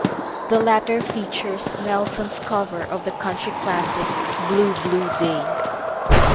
The latter features Nelson's cover of the country classic "Blue, Blue Day".